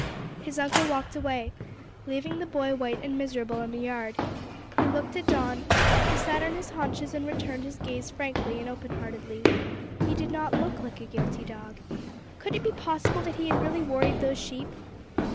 His uncle walked away, leaving the boy white and miserable in the yard. He looked at Don, who sat on his haunches and returned his gaze frankly and open heartedly. He did not look like a guilty dog. Could it be possible that he had really worried those sheep?